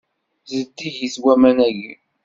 Zeddigit waman-agi.